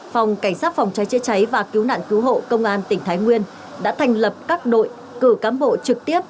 phòng cảnh sát phòng cháy chữa cháy và cứu nạn cứu hộ công an tỉnh thái nguyên đã thành lập các đội cử cán bộ trực tiếp